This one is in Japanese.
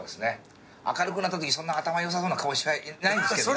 明るくなったときにそんな頭の良さそうな顔の人はいないんですけどね。